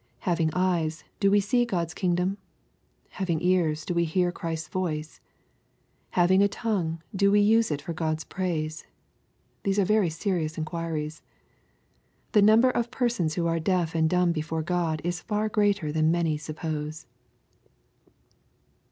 Having eyes, do we see God's king dom ? Having ears, do we hear Christ's voice ? Having a tongue, do we use it for God's praise ? These are very serious inquiries. The number of persons who are deaf and dumb before God is far greater than many suppose.